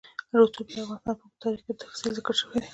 رسوب د افغانستان په اوږده تاریخ کې په تفصیل ذکر شوی.